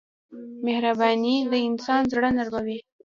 مهرباني د انسان زړه نرموي.